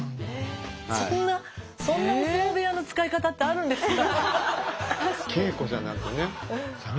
そんなそんなお相撲部屋の使い方ってあるんですか。